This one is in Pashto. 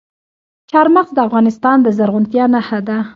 چار مغز د افغانستان د زرغونتیا نښه ده.